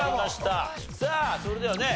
さあそれではね